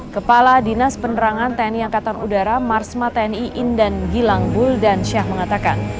kepala dinas penerangan tni angkatan udara marsma tni indan gilang buldan syah mengatakan